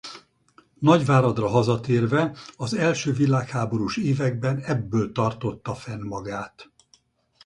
Nagyváradra hazatérve az első világháborús években ebből tartotta fenn magát.